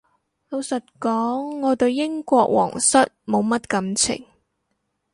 老實講我對英國皇室冇乜感情